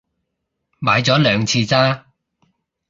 買咗兩次咋